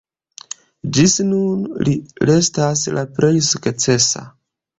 Ĝis nun li restas la plej sukcesa.